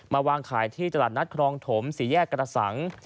วางขายที่ตลาดนัดครองถมสี่แยกกระสัง